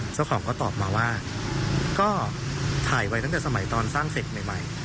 เจ้าของก็ตอบมาว่าก็ถ่ายไว้ตั้งแต่สมัยตอนสร้างเสร็จใหม่